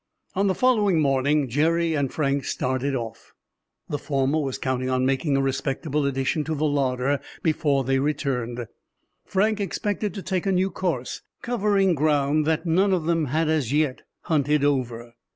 On the following morning Jerry and Frank started off. The former was counting on making a respectable addition to the larder before they returned. Frank expected to take a new course, covering ground that none of them had as yet hunted over.